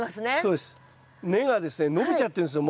根がですね伸びちゃってるんですよ